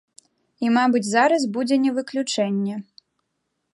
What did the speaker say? І мабыць зараз будзе не выключэнне.